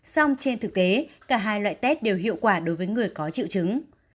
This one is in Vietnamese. xong trên thực tế cả hai loại test đều hiệu quả đối với người có triệu chứng